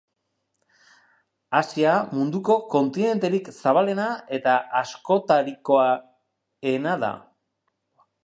Asia munduko kontinenterik zabalena eta askotarikoena da.